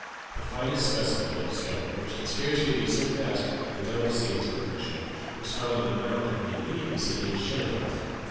The finest specimen yet discovered, and which can scarcely be surpassed in the delicacy of its workmanship, was found in a mound in the immediate vicinity of Chillicothe.